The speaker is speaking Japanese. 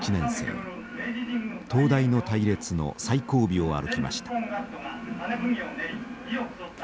東大の隊列の最後尾を歩きました。